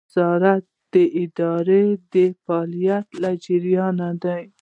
نظارت د ادارې د فعالیت له جریانه دی.